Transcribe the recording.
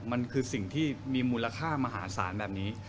มันคือสิ่งที่มีมูลค่ามหาศาลแบบนี้